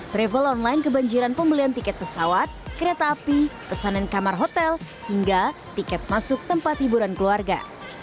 travel online kebanjiran pembelian tiket pesawat kereta api pesanan kamar hotel hingga tiket masuk tempat hiburan keluarga